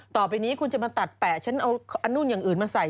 ต่อไปนี้คุณจะมาตัดแปะฉันเอาอันนู่นอย่างอื่นมาใส่